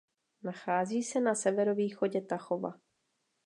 Nachází se na severovýchodě Tachova.